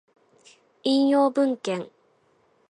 引用文献